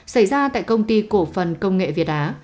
xảy ra tại công ty cổ phần công nghệ việt á